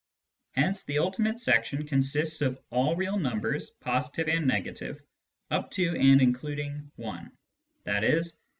Hence the ultimate section consists of all real numbers, positive and negative, up to and including i ; i.e.